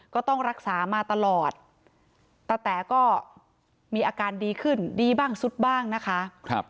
ก็ต้องรักษามาตลอดตะแต๋ก็มีอาการดีขึ้นดีบ้างสุดบ้างนะคะ